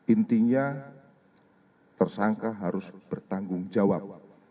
intinya tersangka harus bertanggung jawab